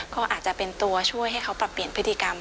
ก็อาจจะเป็นตัวช่วยให้เขาปรับเปลี่ยนพฤติกรรม